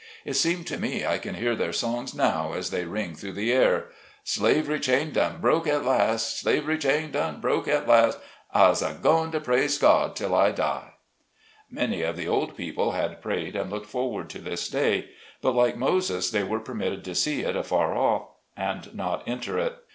It seems to me I can hear their songs now as they ring through the air :" Slavery chain done broke at last ; slavery chain done broke at last — I's goin' to praise God till I die." Many of the old people had prayed and looked forward to this day, but like Moses they were per. mitted to see it afar off, and not enter it.